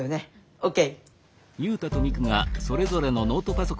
ＯＫ。